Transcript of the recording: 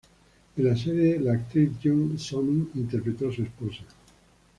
En la serie la actriz Jung So-min interpretó a su esposa.